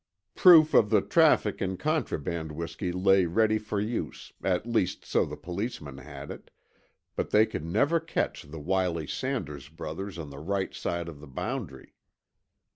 Proof of the traffic in contraband whisky lay ready for use, at least so the Policemen had it—but they could never catch the wily Sanders brothers on the right side of the boundary.